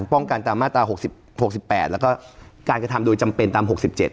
ตามมาตรา๖๖๘แล้วก็การกระทำโดยจำเป็นตาม๖๗